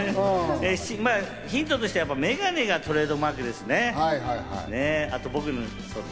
ヒントとしてはメガネがトレードマークですね。